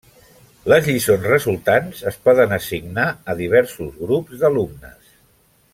Les lliçons resultants es poden assignar a diversos grups d’alumnes.